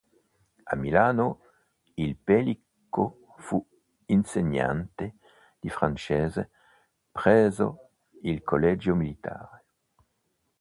A Milano il Pellico fu insegnante di francese presso il collegio militare.